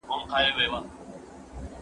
زه به ځواب ليکلی وي،